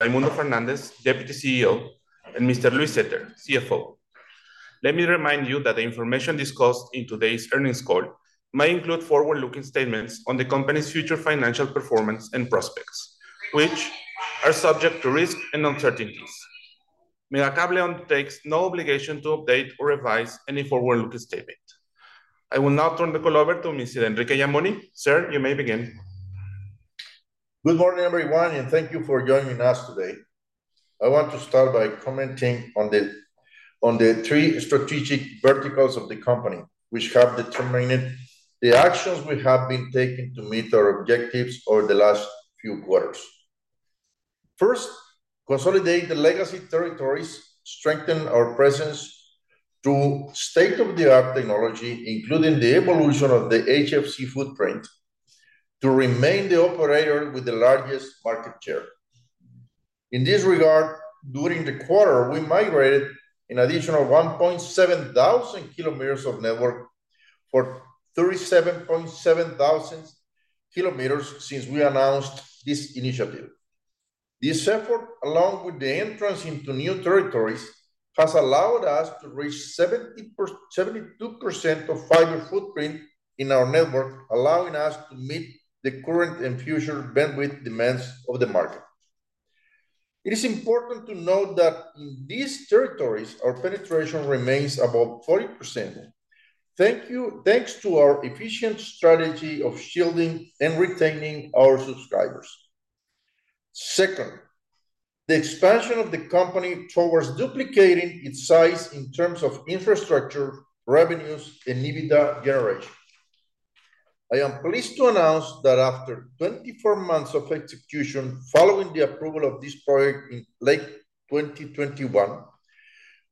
Raymundo Fernández, Deputy CEO, and Mr. Luis Zetter, CFO. Let me remind you that the information discussed in today's earnings call may include forward-looking statements on the company's future financial performance and prospects, which are subject to risks and uncertainties. Megacable undertakes no obligation to update or revise any forward-looking statement. I will now turn the call over to Mr. Enrique Yamuni. Sir, you may begin. Good morning, everyone, and thank you for joining us today. I want to start by commenting on the three strategic verticals of the company, which have determined the actions we have been taking to meet our objectives over the last few quarters. First, consolidate the legacy territories, strengthen our presence through state-of-the-art technology, including the evolution of the HFC footprint, to remain the operator with the largest market share. In this regard, during the quarter, we migrated an additional 1.7 thousand kilometers of network for 37.7 thousand kilometers since we announced this initiative. This effort, along with the entrance into new territories, has allowed us to reach 72% of fiber footprint in our network, allowing us to meet the current and future bandwidth demands of the market. It is important to note that in these territories, our penetration remains above 40%. Thanks to our efficient strategy of shielding and retaining our subscribers. Second, the expansion of the company towards duplicating its size in terms of infrastructure, revenues, and EBITDA generation. I am pleased to announce that after 24 months of execution, following the approval of this project in late 2021,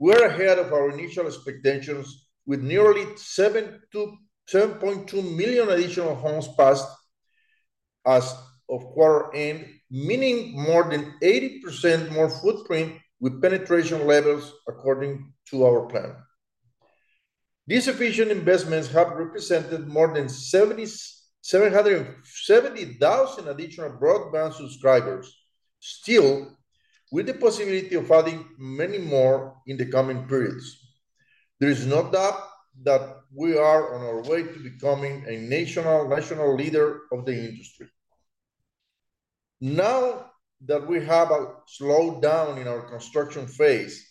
we are ahead of our initial expectations with nearly 7.2 million additional homes passed as of quarter end, meaning more than 80% more footprint with penetration levels according to our plan. These efficient investments have represented more than 770,000 additional broadband subscribers. Still, with the possibility of adding many more in the coming periods, there is no doubt that we are on our way to becoming a national leader of the industry. Now that we have a slowdown in our construction phase,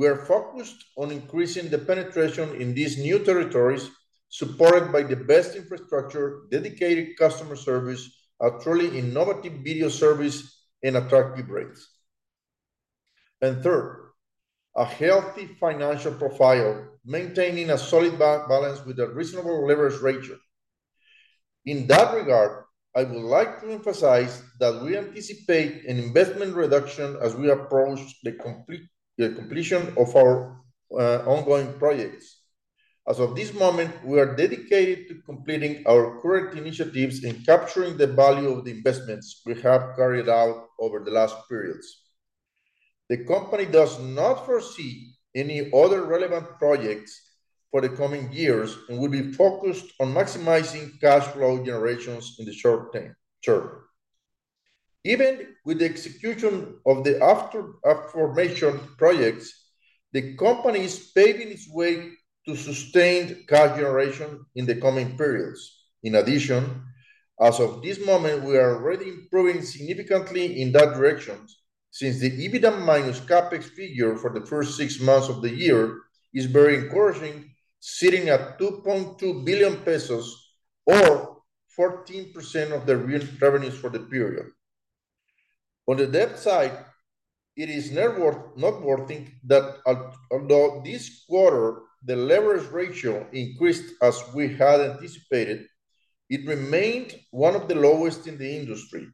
we are focused on increasing the penetration in these new territories, supported by the best infrastructure, dedicated customer service, a truly innovative video service, and attractive rates. And third, a healthy financial profile, maintaining a solid balance with a reasonable leverage ratio. In that regard, I would like to emphasize that we anticipate an investment reduction as we approach the completion of our ongoing projects. As of this moment, we are dedicated to completing our current initiatives and capturing the value of the investments we have carried out over the last periods. The company does not foresee any other relevant projects for the coming years and will be focused on maximizing cash flow generations in the short term. Even with the execution of the aforementioned projects, the company is paving its way to sustained cash generation in the coming periods. In addition, as of this moment, we are already improving significantly in that direction, since the EBITDA minus CapEx figure for the first six months of the year is very encouraging, sitting at 2.2 billion pesos or 14% of the revenues for the period. On the debt side, it is noteworthy that although this quarter, the leverage ratio increased as we had anticipated, it remained one of the lowest in the industry.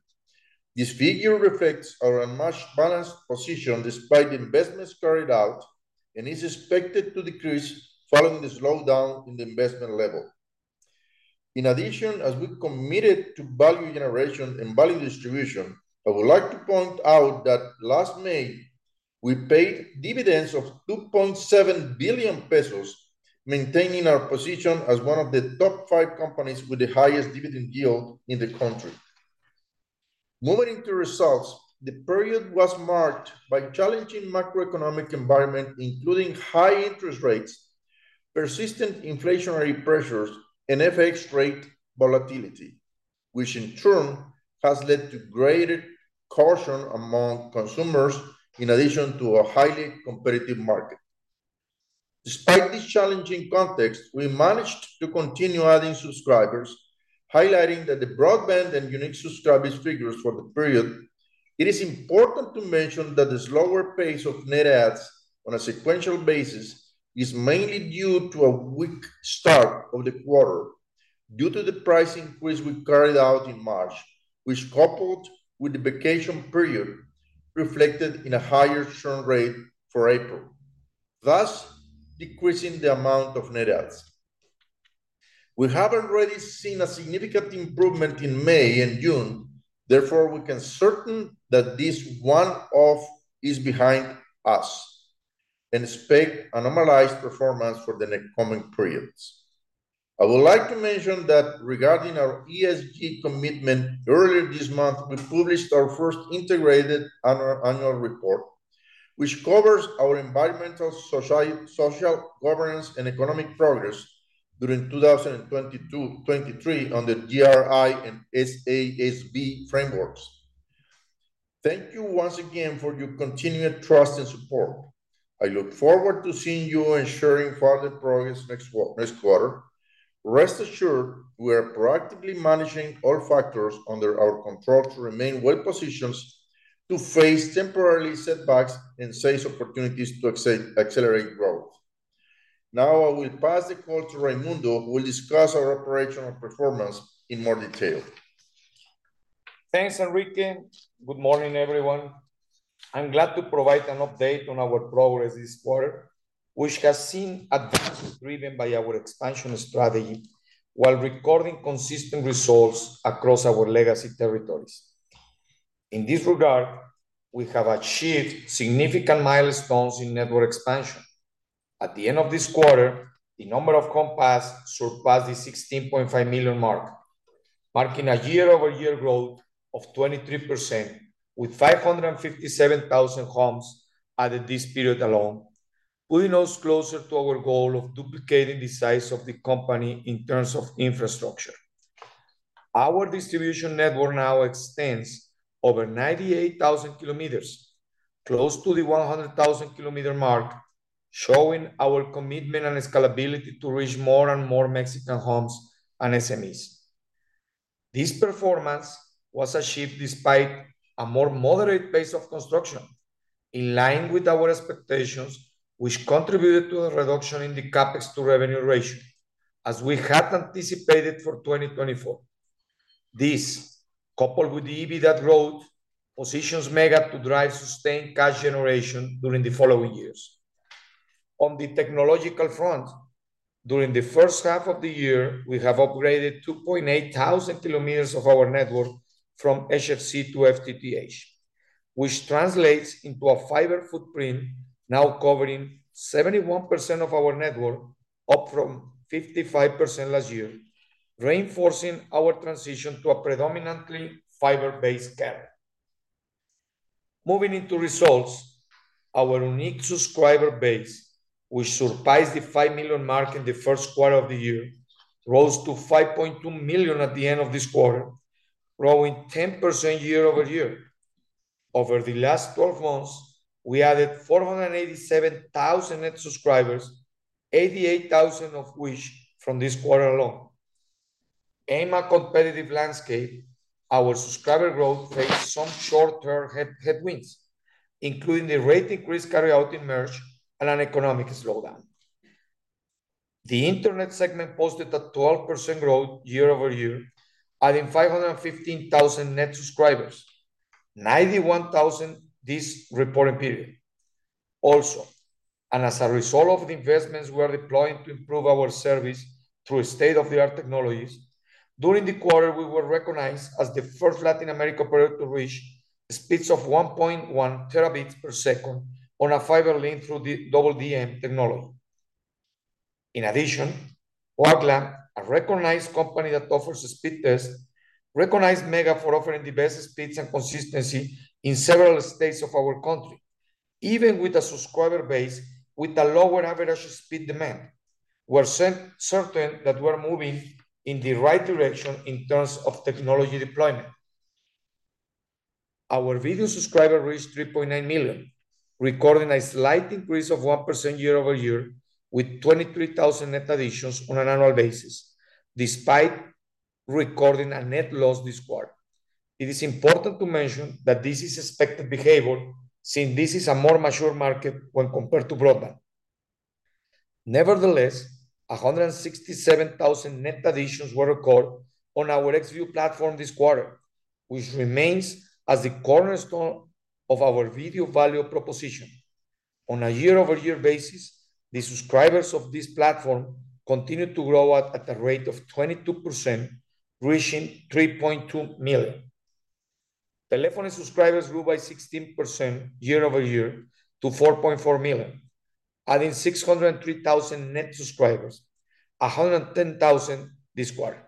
This figure reflects our much balanced position despite the investments carried out, and is expected to decrease following the slowdown in the investment level. In addition, as we're committed to value generation and value distribution, I would like to point out that last May, we paid dividends of 2.7 billion pesos, maintaining our position as one of the top five companies with the highest dividend yield in the country. Moving to results, the period was marked by challenging macroeconomic environment, including high interest rates, persistent inflationary pressures, and FX rate volatility, which in turn has led to greater caution among consumers, in addition to a highly competitive market. Despite this challenging context, we managed to continue adding subscribers, highlighting that the broadband and unique subscribers figures for the period. It is important to mention that the slower pace of net adds on a sequential basis is mainly due to a weak start of the quarter due to the price increase we carried out in March, which, coupled with the vacation period, reflected in a higher churn rate for April, thus decreasing the amount of net adds. We have already seen a significant improvement in May and June; therefore, we can be certain that this one-off is behind us and expect a normalized performance for the next coming periods. I would like to mention that regarding our ESG commitment, earlier this month, we published our first integrated annual report, which covers our environmental, social, governance, and economic progress during 2022-2023 on the GRI and SASB frameworks. Thank you once again for your continued trust and support. I look forward to seeing you and sharing further progress next quarter. Rest assured, we are proactively managing all factors under our control to remain well positioned to face temporary setbacks and seize opportunities to accelerate growth. Now, I will pass the call to Raymundo, who will discuss our operational performance in more detail. Thanks, Enrique. Good morning, everyone. I'm glad to provide an update on our progress this quarter, which has seen advances driven by our expansion strategy, while recording consistent results across our legacy territories. In this regard, we have achieved significant milestones in network expansion. At the end of this quarter, the number of homes passed surpassed the 16.5 million mark, marking a year-over-year growth of 23%, with 557,000 homes added this period alone, putting us closer to our goal of duplicating the size of the company in terms of infrastructure. Our distribution network now extends over 98,000 kilometers, close to the 100,000 kilometer mark, showing our commitment and scalability to reach more and more Mexican homes and SMEs. This performance was achieved despite a more moderate pace of construction, in line with our expectations, which contributed to a reduction in the CapEx to revenue ratio, as we had anticipated for 2024. This, coupled with the EBITDA growth, positions Mega to drive sustained cash generation during the following years. On the technological front, during the first half of the year, we have upgraded 2,800 kilometers of our network from HFC to FTTH, which translates into a fiber footprint now covering 71% of our network, up from 55% last year, reinforcing our transition to a predominantly fiber-based carrier. Moving into results, our unique subscriber base, which surpassed the 5 million mark in the first quarter of the year, rose to 5.2 million at the end of this quarter, growing 10% year-over-year. Over the last 12 months, we added 487,000 net subscribers, 88,000 of which from this quarter alone. In a competitive landscape, our subscriber growth faced some short-term headwinds, including the rate increase carried out in March and an economic slowdown. The internet segment posted a 12% growth year-over-year, adding 515,000 net subscribers, 91,000 this reporting period. Also, and as a result of the investments we are deploying to improve our service through state-of-the-art technologies, during the quarter, we were recognized as the first Latin American operator to reach speeds of 1.1 terabits per second on a fiber link through the WDM technology. In addition, Ookla, a recognized company that offers a speed test, recognized Mega for offering the best speeds and consistency in several states of our country, even with a subscriber base with a lower average speed demand. We're certain that we're moving in the right direction in terms of technology deployment. Our video subscriber reached 3.9 million, recording a slight increase of 1% year-over-year, with 23,000 net additions on an annual basis, despite recording a net loss this quarter. It is important to mention that this is expected behavior, since this is a more mature market when compared to broadband. Nevertheless, 167,000 net additions were recorded on our Xview platform this quarter, which remains as the cornerstone of our video value proposition. On a year-over-year basis, the subscribers of this platform continued to grow at a rate of 22%, reaching 3.2 million. Telephone subscribers grew by 16% year over year to 4.4 million, adding 603,000 net subscribers, 110,000 this quarter.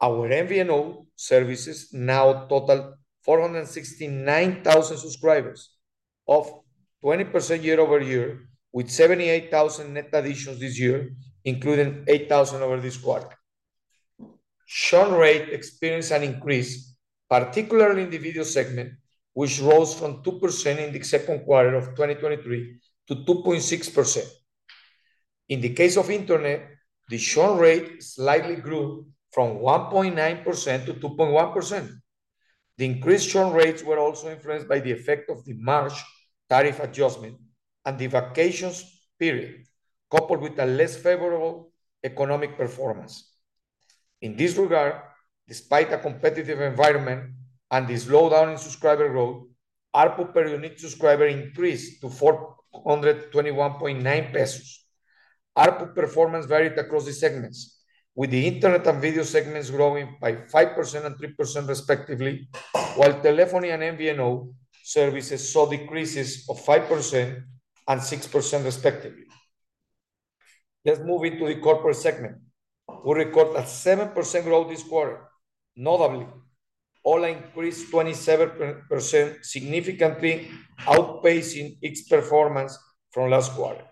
Our MVNO services now total 469,000 subscribers, up 20% year over year, with 78,000 net additions this year, including 8,000 over this quarter. Churn rate experienced an increase, particularly in the video segment, which rose from 2% in the second quarter of 2023 to 2.6%. In the case of internet, the churn rate slightly grew from 1.9% to 2.1%. The increased churn rates were also influenced by the effect of the March tariff adjustment and the vacations period, coupled with a less favorable economic performance. In this regard, despite a competitive environment and the slowdown in subscriber growth, ARPU per unique subscriber increased to 421.9 pesos. ARPU performance varied across the segments, with the internet and video segments growing by 5% and 3% respectively, while telephony and MVNO services saw decreases of 5% and 6% respectively. Let's move into the corporate segment. We recorded 7% growth this quarter. Notably, ho1a increased 27%, significantly outpacing its performance from last quarter.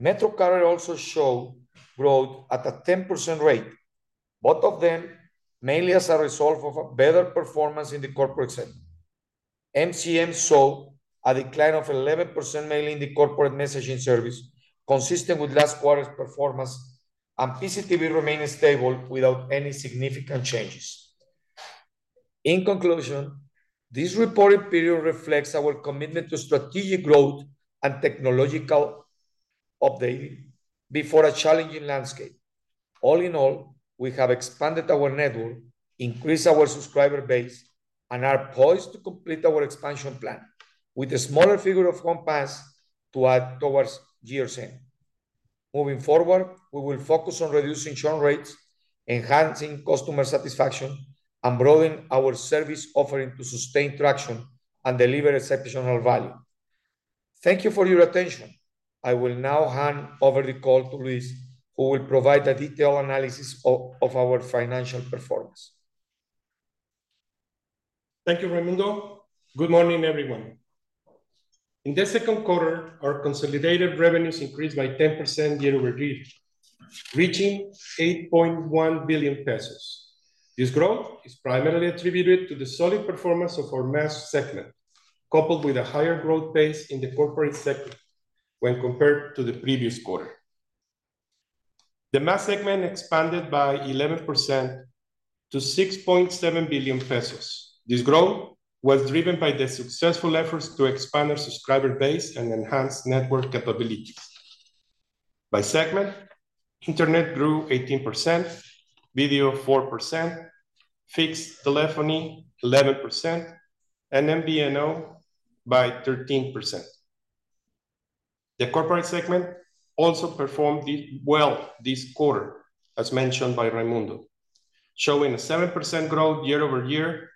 MetroCarrier also showed growth at a 10% rate, both of them mainly as a result of a better performance in the corporate segment. MCM saw a decline of 11%, mainly in the corporate messaging service, consistent with last quarter's performance, and PCTV remained stable without any significant changes. In conclusion, this reporting period reflects our commitment to strategic growth and technological update before a challenging landscape. All in all, we have expanded our network, increased our subscriber base, and are poised to complete our expansion plan, with a smaller figure of CapEx to add towards year's end. Moving forward, we will focus on reducing churn rates, enhancing customer satisfaction, and broadening our service offering to sustain traction and deliver exceptional value. Thank you for your attention. I will now hand over the call to Luis, who will provide a detailed analysis of our financial performance. Thank you, Raymundo. Good morning, everyone. In the second quarter, our consolidated revenues increased by 10% year-over-year, reaching 8.1 billion pesos. This growth is primarily attributed to the solid performance of our mass segment, coupled with a higher growth base in the corporate sector when compared to the previous quarter. The mass segment expanded by 11% to 6.7 billion pesos. This growth was driven by the successful efforts to expand our subscriber base and enhance network capabilities. By segment, internet grew 18%, video 4%, fixed telephony 11%, and MVNO by 13%. The corporate segment also performed well this quarter, as mentioned by Raymundo, showing a 7% growth year-over-year.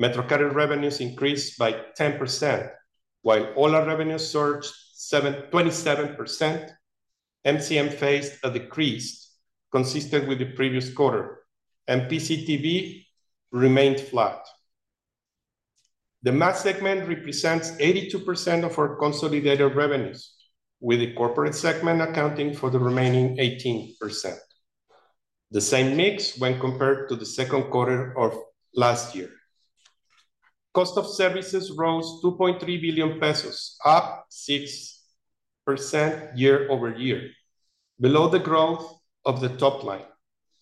MetroCarrier revenues increased by 10%, while ho1a revenues surged 27%. MCM faced a decrease consistent with the previous quarter, and PCTV remained flat. The mass segment represents 82% of our consolidated revenues, with the corporate segment accounting for the remaining 18%, the same mix when compared to the second quarter of last year. Cost of services rose 2.3 billion pesos, up 6% year-over-year, below the growth of the top line,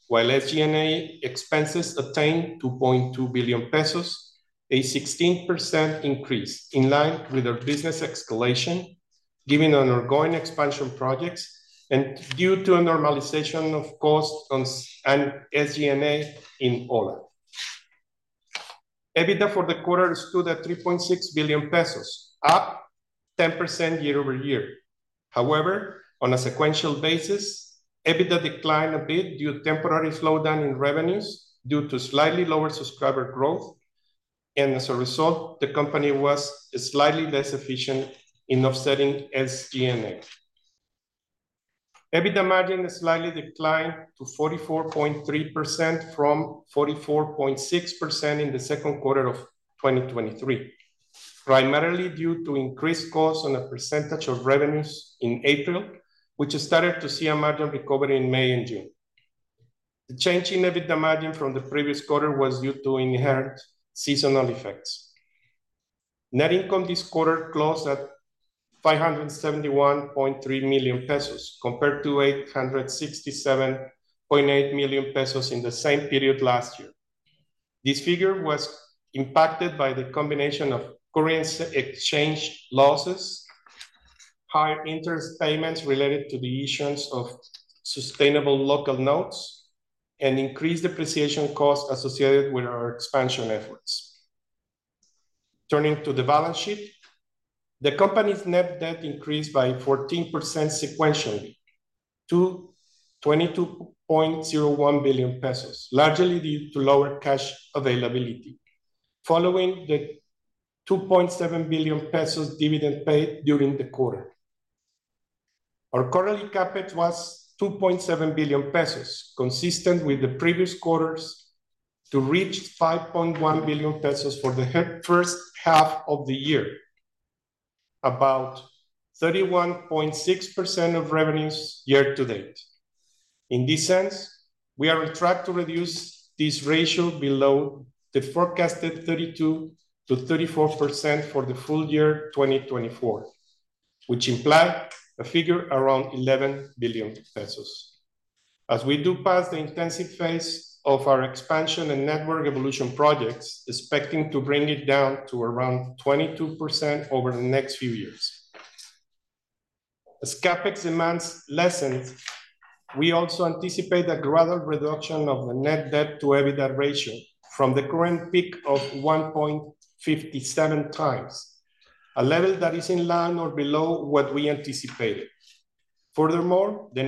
while SG&A expenses attained 2.2 billion pesos, a 16% increase in line with our business escalation, given an ongoing expansion projects and due to a normalization of cost on S- and SG&A in ho1a. EBITDA for the quarter stood at 3.6 billion pesos, up 10% year-over-year. However, on a sequential basis, EBITDA declined a bit due to temporary slowdown in revenues due to slightly lower subscriber growth, and as a result, the company was slightly less efficient in offsetting SG&A. EBITDA margin slightly declined to 44.3% from 44.6% in the second quarter of 2023, primarily due to increased costs on a percentage of revenues in April, which started to see a margin recovery in May and June. The change in EBITDA margin from the previous quarter was due to inherent seasonal effects. Net income this quarter closed at 571.3 million pesos, compared to 867.8 million pesos in the same period last year. This figure was impacted by the combination of currency exchange losses, higher interest payments related to the issuance of sustainable local notes, and increased depreciation costs associated with our expansion efforts. Turning to the balance sheet, the company's net debt increased by 14% sequentially to 22.01 billion pesos, largely due to lower cash availability, following the 2.7 billion pesos dividend paid during the quarter. Our current CapEx was 2.7 billion pesos, consistent with the previous quarters, to reach 5.1 billion pesos for the first half of the year, about 31.6% of revenues year to date. In this sense, we are on track to reduce this ratio below the forecasted 32%-34% for the full year 2024, which imply a figure around 11 billion pesos. As we do pass the intensive phase of our expansion and network evolution projects, expecting to bring it down to around 22% over the next few years. As CapEx demands lessens. We also anticipate a gradual reduction of the net debt to EBITDA ratio from the current peak of 1.57 times, a level that is in line or below what we anticipated. Furthermore, the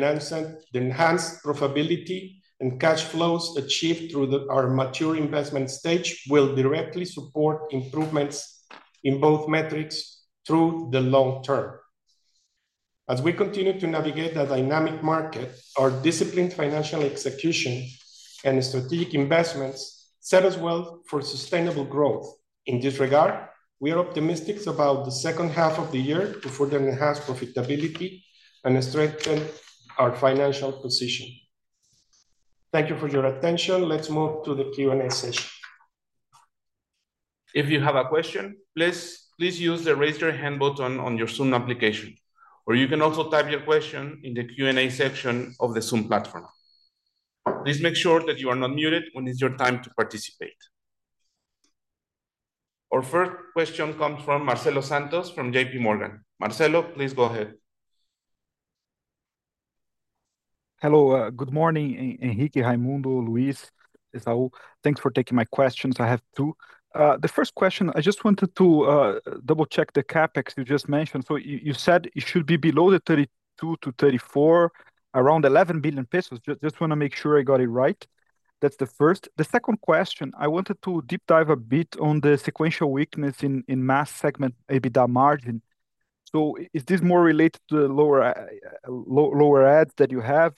enhanced profitability and cash flows achieved through our mature investment stage will directly support improvements in both metrics through the long term. As we continue to navigate the dynamic market, our disciplined financial execution and strategic investments set us well for sustainable growth. In this regard, we are optimistic about the second half of the year to further enhance profitability and strengthen our financial position. Thank you for your attention. Let's move to the Q&A session. If you have a question, please, please use the Raise Your Hand button on your Zoom application, or you can also type your question in the Q&A section of the Zoom platform. Please make sure that you are not muted when it's your time to participate. Our first question comes from Marcelo Santos from J.P. Morgan. Marcelo, please go ahead. Hello. Good morning, Enrique, Raymundo, Luis, Esaú. Thanks for taking my questions. I have two. The first question, I just wanted to double-check the CapEx you just mentioned. So you said it should be below the 32-34, around 11 billion pesos. Just wanna make sure I got it right. That's the first. The second question, I wanted to deep dive a bit on the sequential weakness in mass segment EBITDA margin. So is this more related to the lower ads that you have?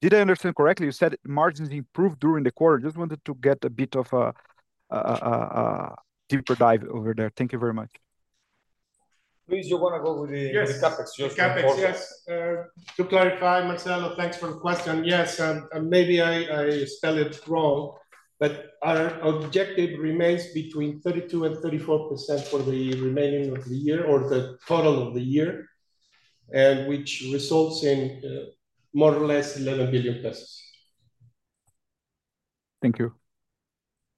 Did I understand correctly, you said margins improved during the quarter? Just wanted to get a bit of a deeper dive over there. Thank you very much. Luis, you wanna go with the- Yes The CapEx just- CapEx, yes. Uh- To clarify, Marcelo, thanks for the question. Yes, and maybe I spell it wrong, but our objective remains between 32% and 34% for the remaining of the year or the total of the year, and which results in more or less 11 billion pesos. Thank you.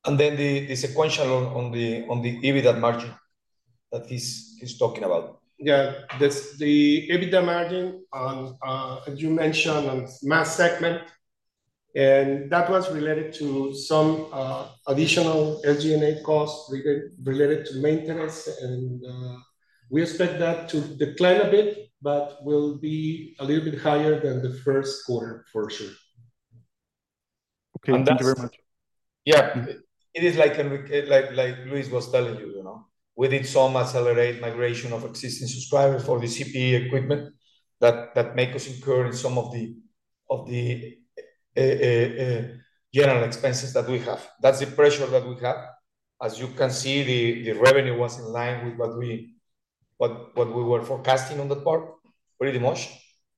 And then the sequential on the EBITDA margin that he's talking about. Yeah, that's the EBITDA margin on, as you mentioned, on mass segment, and that was related to some additional SG&A costs related to maintenance, and we expect that to decline a bit, but will be a little bit higher than the first quarter, for sure. Okay. And that's- Thank you very much. Yeah. It is like Enrique, like, like Luis was telling you, you know? We did some accelerate migration of existing subscribers for the CPE equipment that make us incur in some of the general expenses that we have. That's the pressure that we have. As you can see, the revenue was in line with what we were forecasting on that part, pretty much,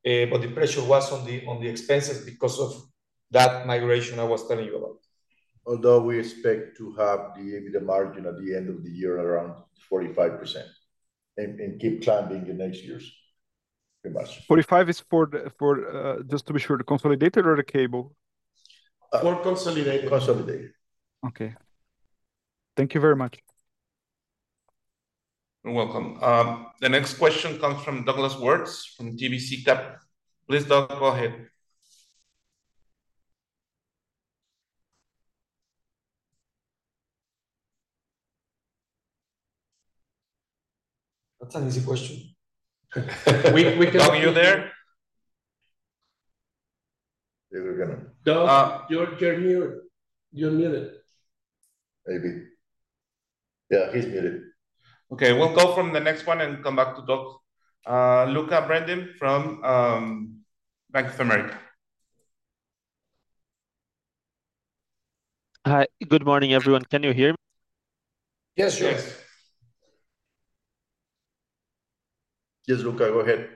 but the pressure was on the expenses because of that migration I was telling you about. Although we expect to have the EBITDA margin at the end of the year around 45% and keep trending in next years pretty much. 45 is for the just to be sure, the consolidated or the cable? For consolidated. Consolidated. Okay. Thank you very much. You're welcome. The next question comes from Douglas Werrett from Driehaus Capital Management. Please, Doug, go ahead. That's an easy question. We can- Doug, are you there? Yeah, we're gonna- Doug, you're, you're muted. You're muted. Maybe. Yeah, he's muted. Okay, we'll go from the next one and come back to Doug. Luca Biondolillo from Bank of America. Hi. Good morning, everyone. Can you hear me? Yes, sure. Yes. Yes, Lucca, go ahead.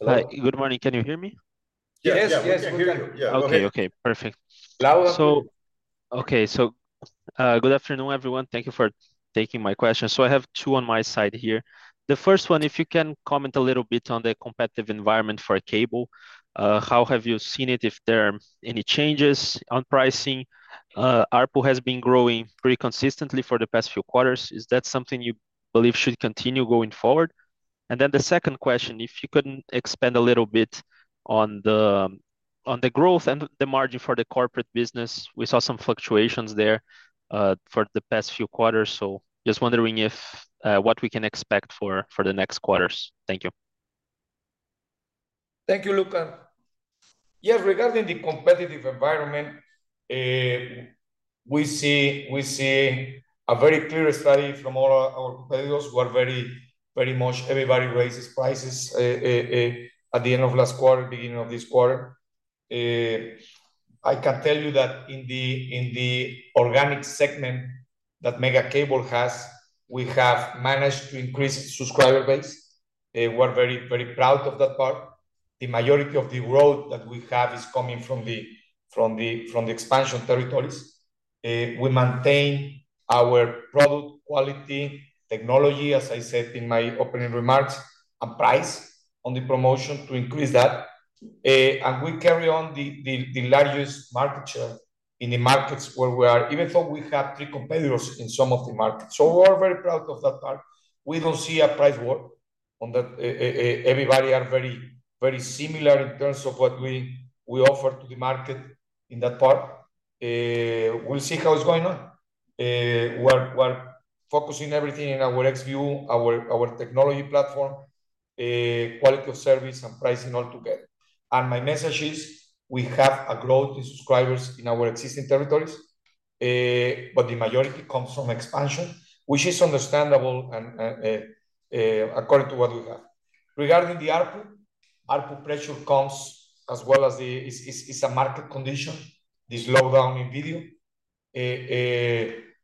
Hello? Hi. Good morning. Can you hear me? Yes. Yeah, we hear you. Yes, we hear you. Yeah. Okay, okay, perfect. Loud and clear. Okay, good afternoon, everyone. Thank you for taking my question. I have two on my side here. The first one, if you can comment a little bit on the competitive environment for cable. How have you seen it, if there are any changes on pricing? ARPU has been growing pretty consistently for the past few quarters. Is that something you believe should continue going forward? And then the second question, if you could expand a little bit on the growth and the margin for the corporate business. We saw some fluctuations there for the past few quarters, so just wondering if what we can expect for the next quarters. Thank you. Thank you, Lucca. Yeah, regarding the competitive environment, we see a very clear study from all our competitors who are very, very much everybody raises prices at the end of last quarter, beginning of this quarter. I can tell you that in the organic segment that Megacable has, we have managed to increase subscriber base. We're very, very proud of that part. The majority of the growth that we have is coming from the expansion territories. We maintain our product quality, technology, as I said in my opening remarks, and price on the promotion to increase that. And we carry on the largest market share in the markets where we are, even though we have three competitors in some of the markets. So we're very proud of that part. We don't see a price war on that. Everybody are very, very similar in terms of what we offer to the market in that part. We'll see how it's going on. We're focusing everything in our Xview, our technology platform, quality of service, and pricing all together. And my message is we have a growth in subscribers in our existing territories, but the majority comes from expansion, which is understandable, and according to what we have. Regarding the ARPU, ARPU pressure comes as well as the, it's a market condition, the slowdown in video.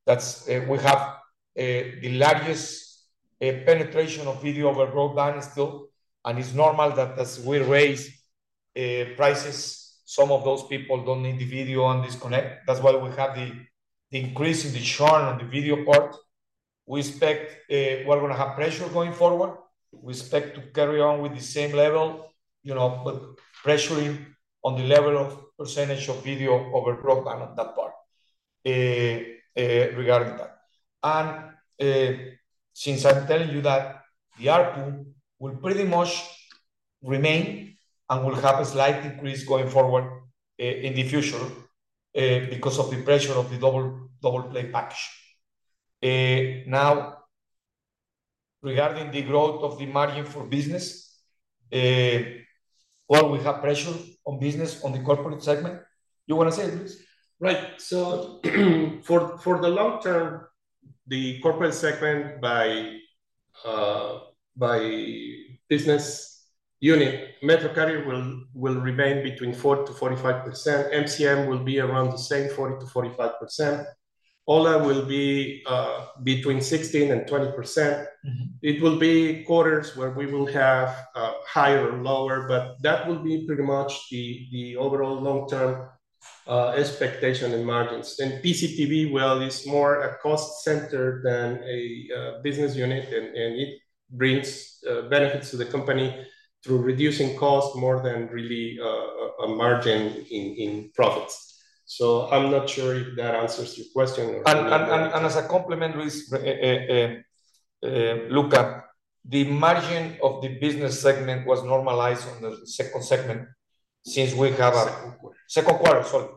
That's. We have the largest penetration of video over broadband still, and it's normal that as we raise prices, some of those people don't need the video and disconnect. That's why we have the increase in the churn on the video part. We expect we're gonna have pressure going forward. We expect to carry on with the same level, you know, but pressuring on the level of percentage of video over broadband on that part, regarding that. Since I'm telling you that the ARPU will pretty much remain and will have a slight increase going forward, in the future, because of the pressure of the double-play package. Now, regarding the growth of the margin for business, well, we have pressure on business, on the corporate segment. You wanna say, Luis? Right. So for the long term, the corporate segment by business unit, MetroCarrier will remain between 40%-45%. MCM will be around the same, 40%-45%. ho1a will be between 16% and 20%. Mm-hmm. It will be quarters where we will have higher and lower, but that will be pretty much the overall long-term expectation in margins. And PCTV, well, is more a cost center than a business unit, and it brings benefits to the company through reducing cost more than really a margin in profits. So I'm not sure if that answers your question or- As a complement, Luis, look at the margin of the business segment was normalized on the second segment since we have a- Second quarter. Second quarter, sorry,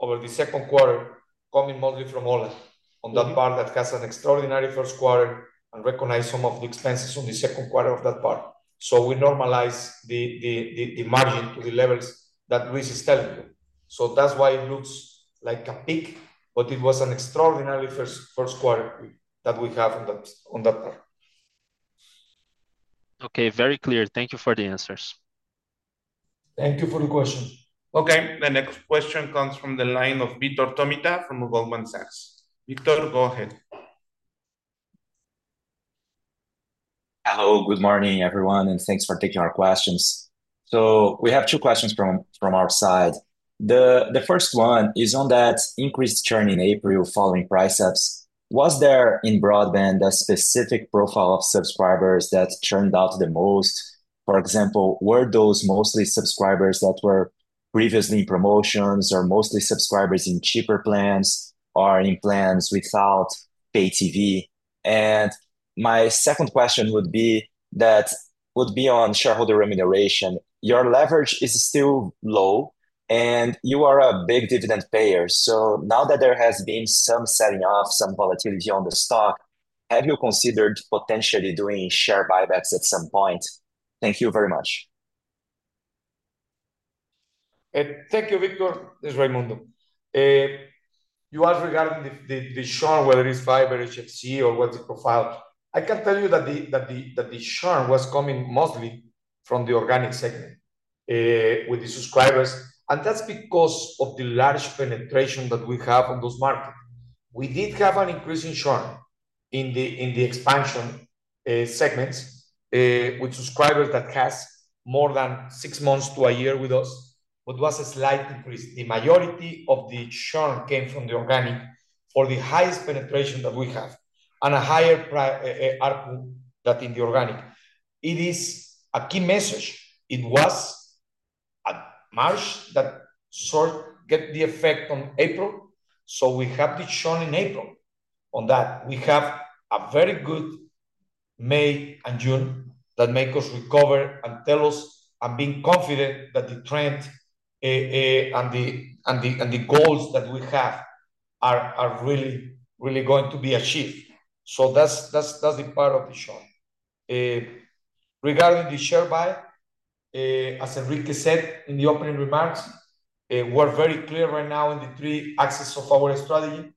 over the second quarter, coming mostly from ho1a- Mm-hmm On that part that has an extraordinary first quarter and recognize some of the expenses on the second quarter of that part. So we normalize the margin to the levels that Luis is telling you. So that's why it looks like a peak, but it was an extraordinary first quarter that we have on that part. Okay, very clear. Thank you for the answers. Thank you for the question. Okay, the next question comes from the line of Vitor Tomita from Goldman Sachs. Vitor, go ahead. Hello, good morning, everyone, and thanks for taking our questions. So we have two questions from our side. The first one is on that increased churn in April following price ups. Was there, in broadband, a specific profile of subscribers that churned out the most? For example, were those mostly subscribers that were previously promotions, or mostly subscribers in cheaper plans, or in plans without pay TV? And my second question would be on shareholder remuneration. Your leverage is still low, and you are a big dividend payer. So now that there has been some selling off, some volatility on the stock, have you considered potentially doing share buybacks at some point? Thank you very much. Thank you, Vitor. It's Raymundo. You asked regarding the churn, whether it's fiber, HFC, or what's the profile. I can tell you that the churn was coming mostly from the organic segment with the subscribers, and that's because of the large penetration that we have on those markets. We did have an increase in churn in the expansion segments with subscribers that has more than six months to a year with us, but was a slight increase. The majority of the churn came from the organic for the highest penetration that we have, and a higher price ARPU than in the organic. It is a key message. It was March that started to get the effect on April, so we have the churn in April. On that, we have a very good May and June that make us recover and tell us, I'm being confident that the trend and the goals that we have are really, really going to be achieved. So that's a part of the churn. Regarding the share buy, as Enrique said in the opening remarks, we're very clear right now in the three axes of our strategy.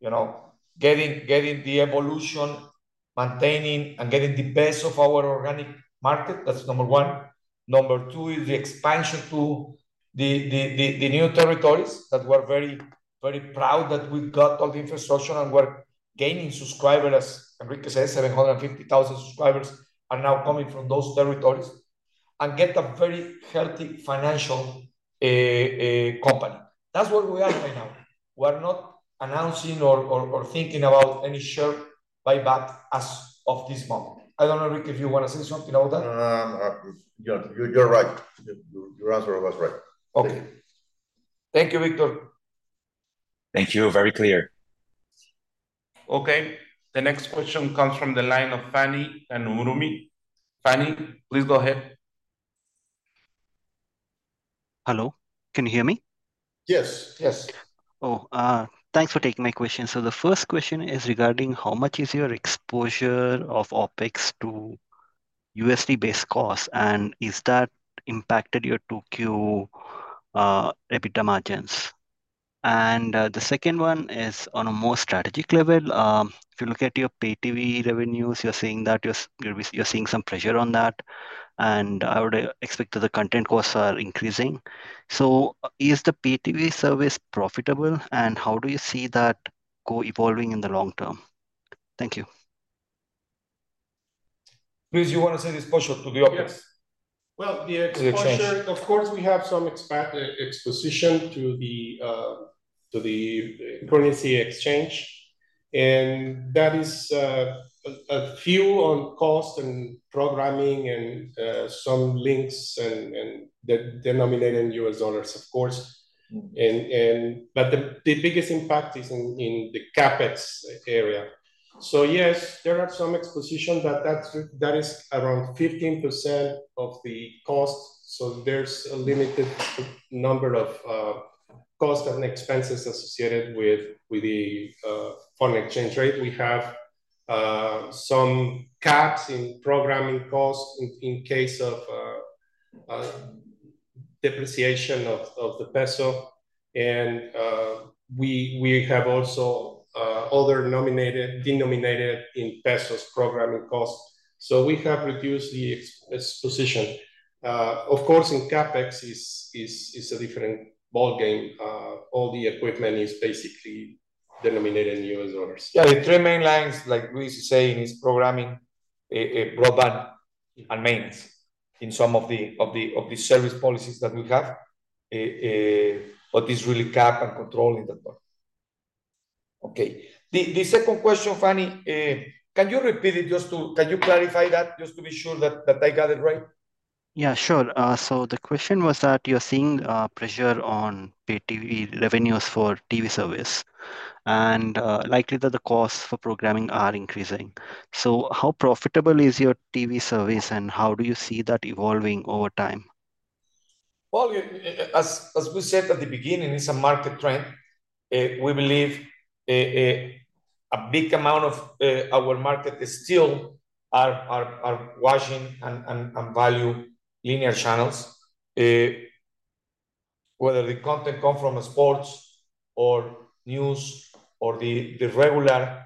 You know, getting the evolution, maintaining, and getting the best of our organic market, that's number one. Number two is the expansion to the new territories, that we're very, very proud that we've got all the infrastructure and we're gaining subscribers. As Enrique said, 750,000 subscribers are now coming from those territories, and get a very healthy financial-... a company. That's where we are right now. We're not announcing or thinking about any share buyback as of this moment. I don't know, Enrique, if you wanna say something about that? You're right. Your answer was right. Okay. Thank you, Vitor. Thank you. Very clear. Okay, the next question comes from the line of Phani Kanumuri. Phani, please go ahead. Hello, can you hear me? Yes. Yes. Thanks for taking my question. So the first question is regarding how much is your exposure of OpEx to USD-based cost, and is that impacted your 2Q EBITDA margins? And the second one is on a more strategic level. If you look at your pay TV revenues, you're seeing that you're seeing some pressure on that, and I would expect that the content costs are increasing. So is the pay TV service profitable, and how do you see that go evolving in the long term? Thank you. Luis, you wanna say the exposure to the OpEx? Yes. Well, the exposure- The exchange Of course, we have some exposure to the currency exchange, and that is OpEx, costs and programming and some leases and that denominated in US dollars, of course. Mm-hmm. But the biggest impact is in the CapEx area. So yes, there are some exposure, but that's, that is around 15% of the cost, so there's a limited number of costs and expenses associated with the foreign exchange rate. We have some caps in programming costs in case of depreciation of the peso. And we have also other denominated in pesos programming costs, so we have reduced the exposure. Of course, in CapEx is a different ballgame. All the equipment is basically denominated in U.S. dollars. Yeah, the three main lines, like Luis is saying, is programming, broadband and maintenance in some of the service policies that we have. But it's really CapEx and control in that part. Okay, the second question, Fanny, can you repeat it just to... Can you clarify that, just to be sure that I got it right? Yeah, sure. So the question was that you're seeing pressure on pay TV revenues for TV service and likely that the costs for programming are increasing. So how profitable is your TV service, and how do you see that evolving over time? Well, as we said at the beginning, it's a market trend. We believe a big amount of our market is still watching and value linear channels. Whether the content come from sports or news or the regular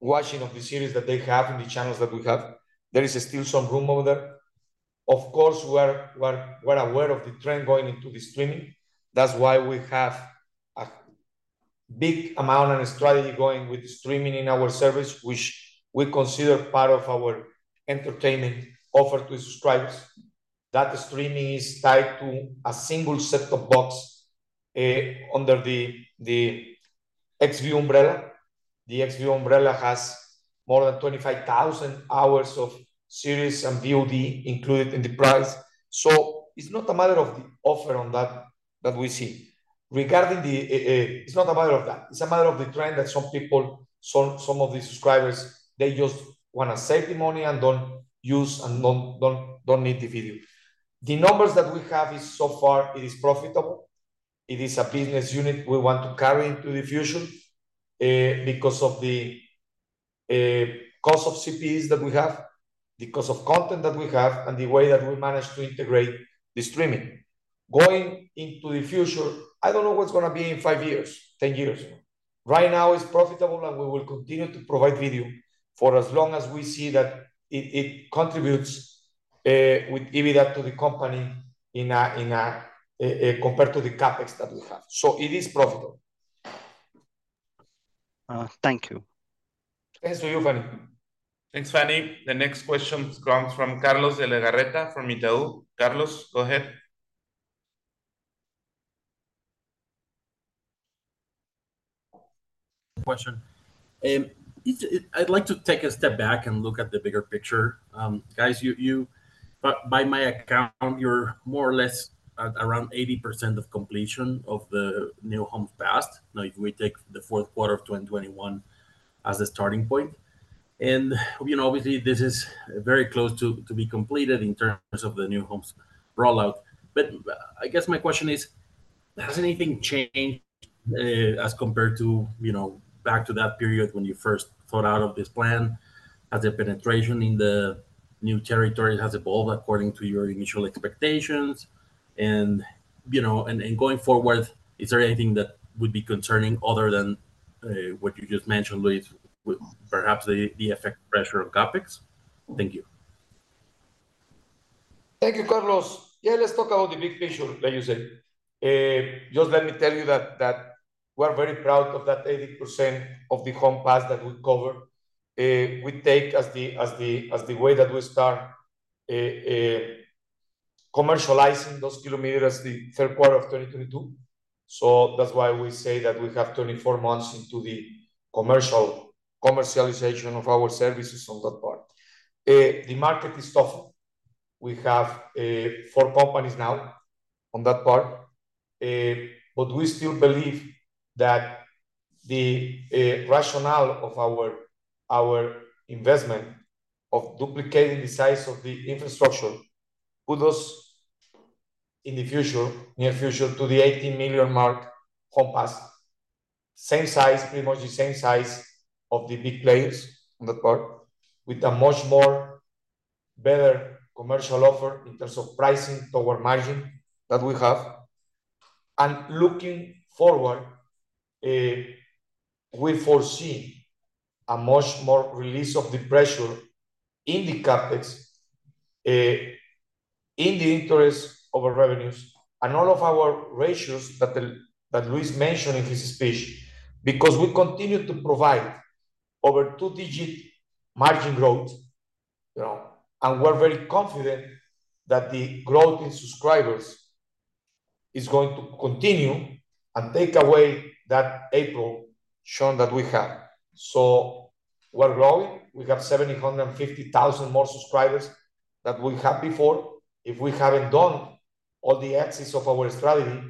watching of the series that they have in the channels that we have, there is still some room over there. Of course, we're aware of the trend going into the streaming. That's why we have a big amount and a strategy going with the streaming in our service, which we consider part of our entertainment offer to subscribers. That streaming is tied to a single set-top box under the XView umbrella. The XView umbrella has more than 25,000 hours of series and VOD included in the price. So it's not a matter of the offer on that, that we see. Regarding the, it's a matter of that, it's a matter of the trend that some people, some of the subscribers, they just wanna save the money and don't use and don't need the video. The numbers that we have is so far it is profitable. It is a business unit we want to carry into the future, because of the cost of CPEs that we have, because of content that we have, and the way that we manage to integrate the streaming. Going into the future, I don't know what's gonna be in 5 years, 10 years. Right now, it's profitable, and we will continue to provide video for as long as we see that it contributes with EBITDA to the company in a compared to the CapEx that we have. So it is profitable. Thank you. Thanks to you, Phani. Thanks, Phani. The next question comes from Carlos Legarreta from Itaú. Carlos, go ahead. Question. It's. I'd like to take a step back and look at the bigger picture. Guys, you by my account, you're more or less at around 80% of completion of the new home passed, like if we take the fourth quarter of 2021 as a starting point. You know, obviously, this is very close to be completed in terms of the new homes rollout. But I guess my question is, has anything changed, as compared to, you know, back to that period when you first thought out of this plan? Has the penetration in the new territory has evolved according to your initial expectations? You know, going forward, is there anything that would be concerning other than what you just mentioned, Luis, with perhaps the effect of pressure on CapEx? Thank you. Thank you, Carlos. Yeah, let's talk about the big picture, like you said. Just let me tell you that we're very proud of that 80% of the homes passed that we covered. We take as the way that we start commercializing those kilometers the third quarter of 2022. So that's why we say that we have 24 months into the commercialization of our services on that part. The market is tougher. We have 4 companies now on that part, but we still believe that the rationale of our investment of duplicating the size of the infrastructure put us in the near future to the 80 million homes passed. Same size, pretty much the same size of the big players on that part, with a much more better commercial offer in terms of pricing to our margin that we have. Looking forward, we foresee a much more release of the pressure in the CapEx, in the interest of our revenues and all of our ratios that Luis mentioned in his speech, because we continue to provide over two-digit margin growth, you know, and we're very confident that the growth in subscribers is going to continue and take away that ARPU shown that we have. We're growing. We have 750,000 more subscribers than we had before. If we haven't done all the axes of our strategy,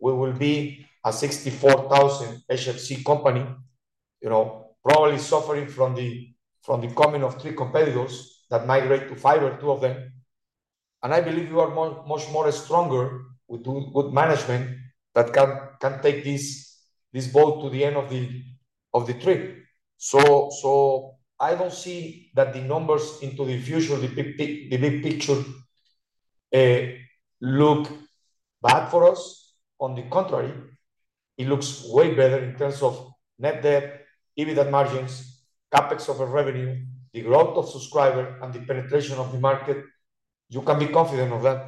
we will be a 64,000 HFC company, you know, probably suffering from the, from the coming of three competitors that migrate to fiber, two of them. And I believe we are more, much more stronger with good, good management that can, can take this, this boat to the end of the, of the trip. So, so I don't see that the numbers into the future, the big pic- the big picture, look bad for us. On the contrary, it looks way better in terms of net debt, EBITDA margins, CapEx over revenue, the growth of subscriber, and the penetration of the market. You can be confident of that.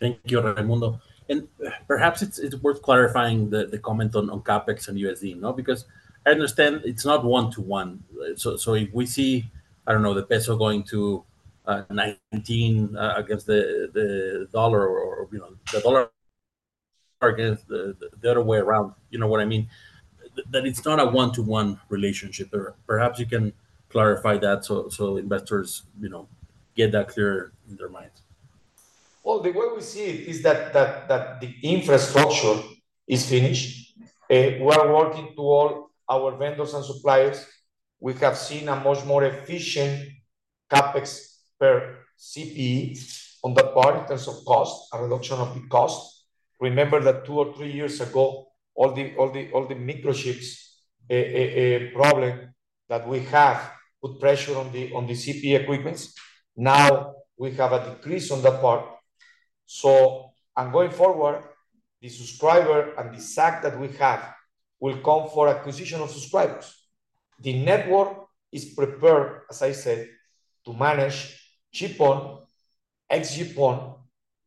Thank you, Raymundo. And perhaps it's worth clarifying the comment on CapEx and USD, no? Because I understand it's not one-to-one. So if we see, I don't know, the peso going to 19 against the dollar or, you know, the dollar against the other way around, you know what I mean? That it's not a one-to-one relationship there. Perhaps you can clarify that so investors, you know, get that clear in their minds. Well, the way we see it is that the infrastructure is finished. We are working toward our vendors and suppliers. We have seen a much more efficient CapEx per CPE on that part in terms of cost, a reduction of the cost. Remember that two or three years ago, all the microchips problem that we have put pressure on the CPE equipment, now we have a decrease on that part. So... And going forward, the subscriber and the stack that we have will come for acquisition of subscribers. The network is prepared, as I said, to manage XGS-PON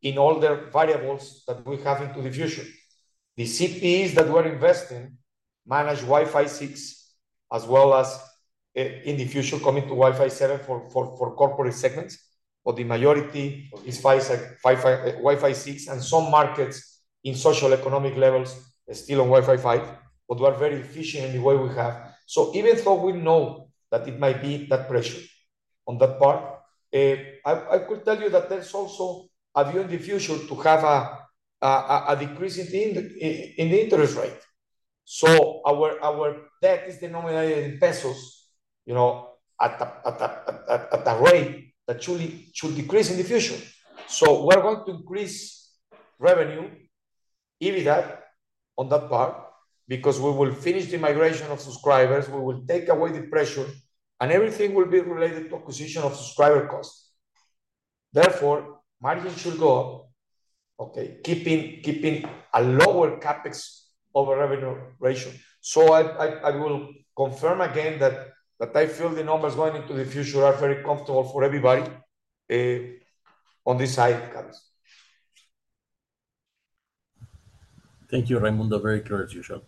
in all the variables that we have into the future. The CPEs that we're investing manage Wi-Fi 6 as well as, in the future, coming to Wi-Fi 7 for corporate segments. But the majority is Wi-Fi, Wi-Fi 6, and some markets in socio-economic levels are still on Wi-Fi 5, but we are very efficient in the way we have. So even though we know that it might be that pressure on that part, I could tell you that there's also a view in the future to have a decrease in the interest rate. So our debt is denominated in pesos, you know, at a rate that truly should decrease in the future. So we're going to increase revenue, EBITDA on that part, because we will finish the migration of subscribers, we will take away the pressure, and everything will be related to acquisition of subscriber costs. Therefore, margins should go up, okay, keeping a lower CapEx over revenue ratio. So I will confirm again that I feel the numbers going into the future are very comfortable for everybody on this side accounts. Thank you, Raymundo. Very clear as usual.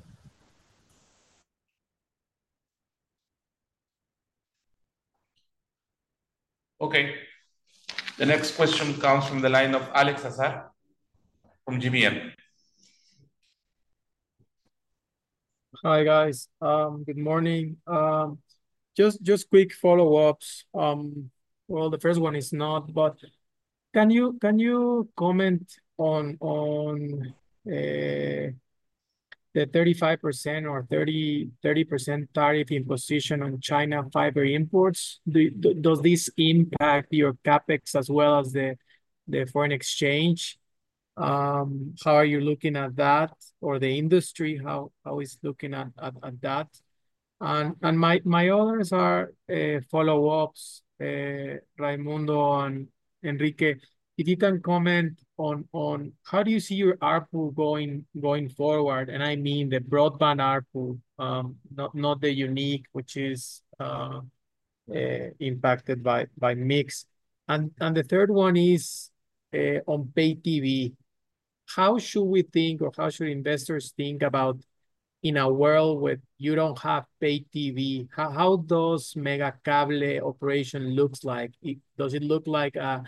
Okay. The next question comes from the line of Alex Azar from GBM. Hi, guys. Good morning. Just quick follow-ups. Well, the first one is not, but can you comment on the 35% or 30% tariff imposition on China fiber imports? Does this impact your CapEx as well as the foreign exchange? How are you looking at that? Or the industry, how is looking at that? And my others are follow-ups, Raymundo and Enrique, if you can comment on how do you see your ARPU going forward? And I mean the broadband ARPU, not the unique, which is impacted by mix. And the third one is on pay TV, how should we think, or how should investors think about in a world where you don't have pay TV? How does Megacable operation look like? Does it look like a,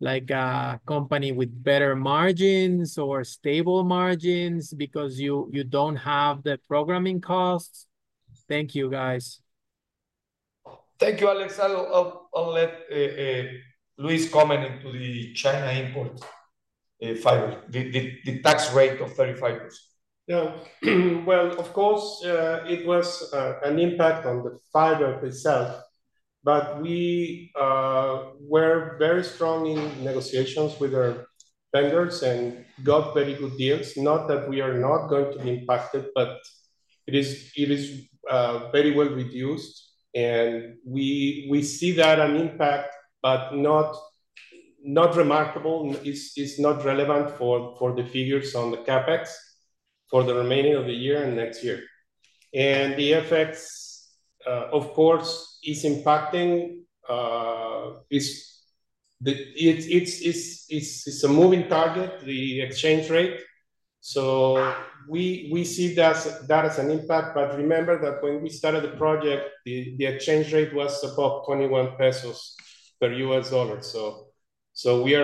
like a company with better margins or stable margins because you, you don't have the programming costs? Thank you, guys. Thank you, Alex. I'll let Luis comment into the China imports, in fiber, the tax rate of 35%. Yeah. Well, of course, it was an impact on the fiber itself, but we were very strong in negotiations with our vendors and got very good deals. Not that we are not going to be impacted, but it is very well reduced, and we see that an impact, but not remarkable. It's not relevant for the figures on the CapEx for the remaining of the year and next year. And the effects, of course, is impacting is the... It's a moving target, the exchange rate, so we see that as an impact. But remember that when we started the project, the exchange rate was above 21 pesos per USD, so we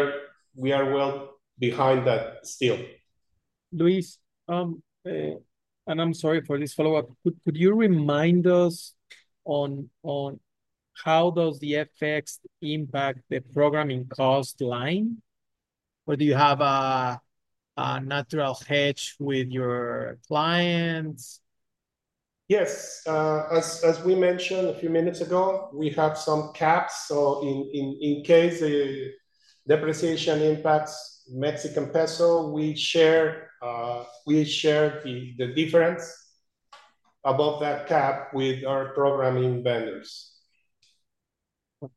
are well behind that still. Luis, and I'm sorry for this follow-up. Could you remind us on how does the effects impact the programming cost line? Or do you have a natural hedge with your clients? Yes. As we mentioned a few minutes ago, we have some caps, so in case a depreciation impacts Mexican peso, we share the difference above that cap with our programming vendors.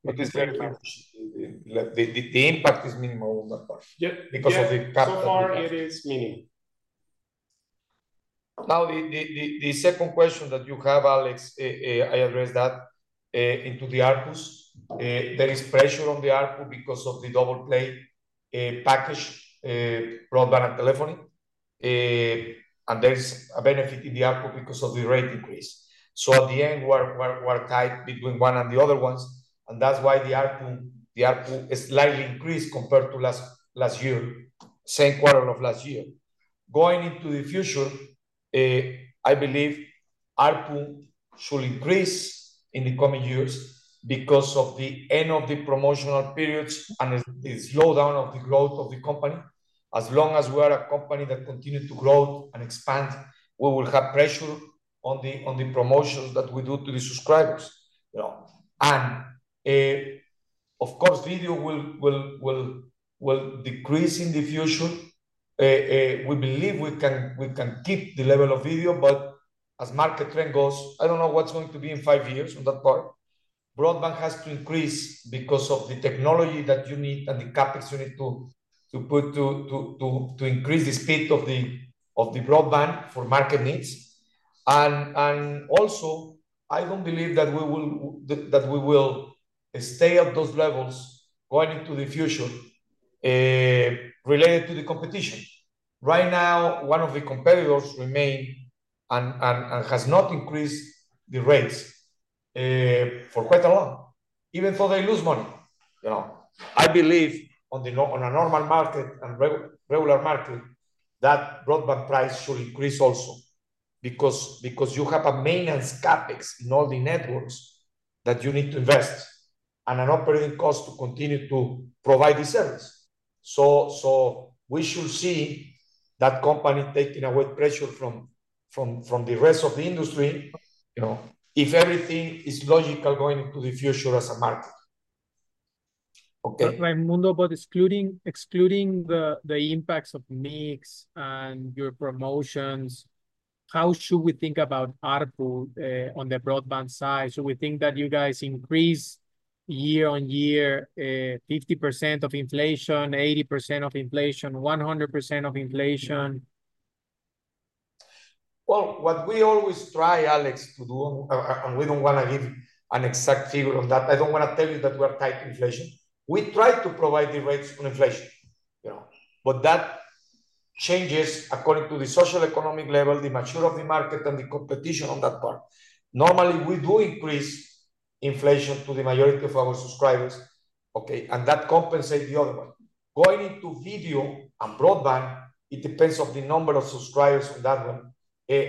But it's very much the impact is minimal on that part. Yep Because of the cap- So far, it is minimal. Now, the second question that you have, Alex, I address that into the ARPUs. There is pressure on the ARPU because of the double play package, broadband and telephony. And there's a benefit in the ARPU because of the rate increase. So at the end, we're tied between one and the other ones, and that's why the ARPU, the ARPU is slightly increased compared to last year, same quarter of last year. Going into the future, I believe ARPU should increase in the coming years because of the end of the promotional periods and the slowdown of the growth of the company. As long as we are a company that continue to grow and expand, we will have pressure on the promotions that we do to the subscribers, you know? Of course, video will decrease in the future. We believe we can keep the level of video, but as market trend goes, I don't know what's going to be in five years from that part. Broadband has to increase because of the technology that you need and the CapEx you need to increase the speed of the broadband for market needs. And also, I don't believe that we will stay at those levels going into the future related to the competition. Right now, one of the competitors remain and has not increased the rates for quite a long, even though they lose money. You know, I believe on a normal market and regular market, that broadband price should increase also because you have a maintenance CapEx in all the networks that you need to invest, and an operating cost to continue to provide the service. So we should see that company taking away pressure from the rest of the industry, you know, if everything is logical going into the future as a market. Okay? But Raymundo, excluding the impacts of mix and your promotions, how should we think about ARPU on the broadband side? Should we think that you guys increase year-on-year 50% of inflation, 80% of inflation, 100% of inflation? Well, what we always try, Alex, to do, and we don't wanna give an exact figure on that, I don't wanna tell you that we are tied to inflation. We try to provide the rates on inflation, you know, but that changes according to the socioeconomic level, the nature of the market, and the competition on that part. Normally, we do increase inflation to the majority of our subscribers, okay? And that compensate the other one. Going into video and broadband, it depends on the number of subscribers on that one.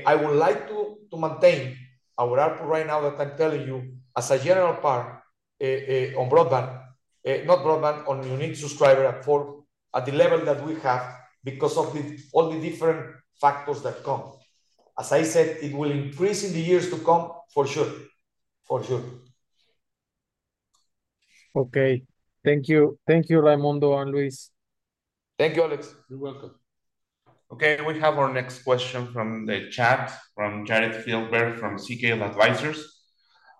I would like to maintain our ARPU right now, that I'm telling you, as a general part, on broadband, not broadband, on unique subscriber at four- at the level that we have because of the, all the different factors that come. As I said, it will increase in the years to come, for sure. For sure. Okay. Thank you. Thank you, Raymundo and Luis. Thank you, Alex. You're welcome. Okay, we have our next question from the chat, from Jared Filbert, from CKL Advisors: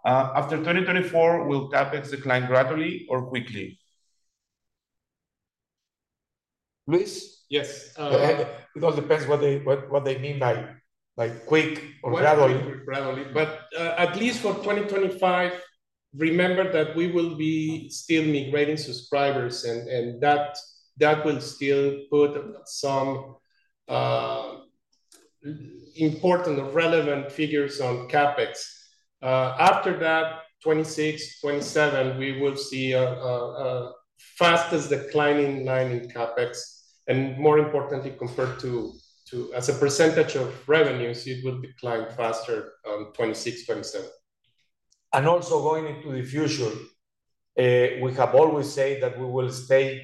"after 2024, will CapEx decline gradually or quickly?"... Luis? Yes, uh- It all depends what they mean by quick or gradually. Gradually. But at least for 2025, remember that we will be still migrating subscribers, and that will still put some important relevant figures on CapEx. After that, 2026, 2027, we will see a fastest declining line in CapEx, and more importantly, compared to as a percentage of revenues, it will decline faster on 2026, 2027. Also going into the future, we have always said that we will stay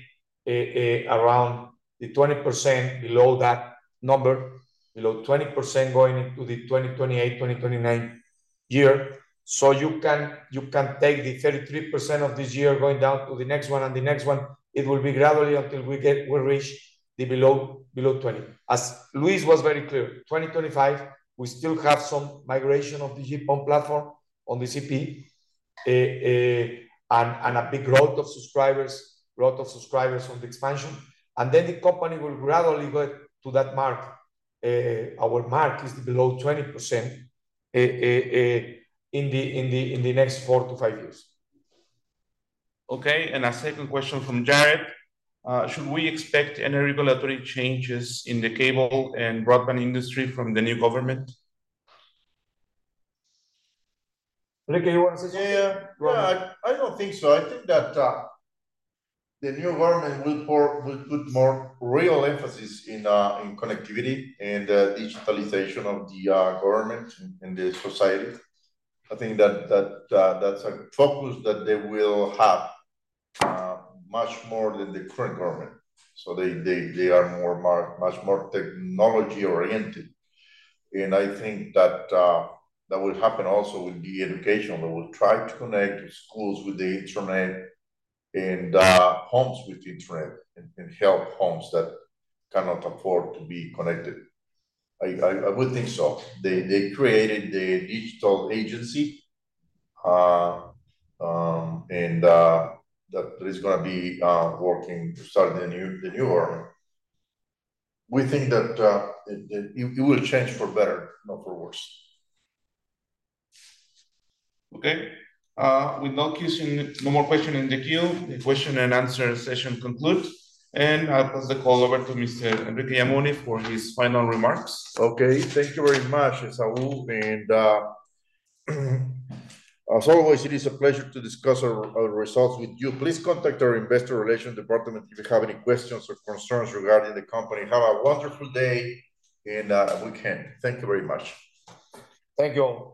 around the 20% below that number, below 20% going into the 2028, 2029 year. So you can, you can take the 33% of this year going down to the next one, and the next one, it will be gradually until we get, we reach the below, below 20. As Luis was very clear, 2025, we still have some migration of the GPON platform on the CPE, and a big growth of subscribers, growth of subscribers on the expansion, and then the company will gradually go to that mark. Our mark is below 20%, in the next four to five years. Okay, and a second question from Jared: "Should we expect any regulatory changes in the cable and broadband industry from the new government? Enrique, you want to say? Yeah. Yeah, I don't think so. I think that the new government will put more real emphasis in connectivity and digitalization of the government and the society. I think that that's a focus that they will have much more than the current government. So they are much more technology-oriented, and I think that that will happen also with the education. They will try to connect schools with the internet and homes with internet, and help homes that cannot afford to be connected. I would think so. They created the digital agency, and that is gonna be working to start the new government. We think that it will change for better, not for worse. Okay. With no question, no more question in the queue, the question and answer session conclude, and I pass the call over to Mr. Enrique Yamuni for his final remarks. Okay. Thank you very much, Esaú, and, as always, it is a pleasure to discuss our, our results with you. Please contact our investor relations department if you have any questions or concerns regarding the company. Have a wonderful day and, weekend. Thank you very much. Thank you all.